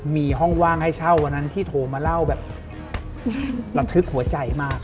มีห้องว่างให้เช่าวันนั้นที่โทรมาเล่าแบบระทึกหัวใจมาก